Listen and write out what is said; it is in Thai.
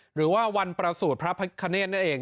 หรือว่าวันประสูจน์พระพระคเนธนั่นเอง